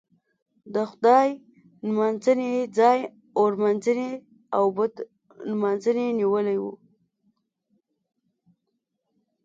د خدای نمانځنې ځای اور نمانځنې او بت نمانځنې نیولی و.